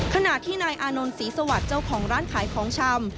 ขณะที่นายอานนท์ศรีสวัสดิ์เจ้าของร้านขายของชำ